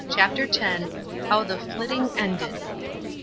CHAPTER X. HOW THE "FLITTING" ENDED.